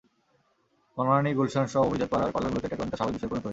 বনানী, গুলশানসহ অভিজাত পাড়ার পারলারগুলোতে ট্যাটু অনেকটা স্বাভাবিক বিষয়ে পরিণত হয়েছে।